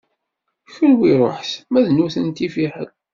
Kenwi ṛuḥet ma d nutenti fiḥel.